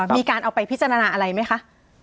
มีการเอาไปพิจารณาอะไรไหมคะ